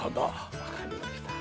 わかりました。